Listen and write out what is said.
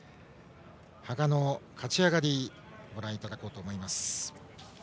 羽賀の勝ち上がりをご覧いただこうと思います。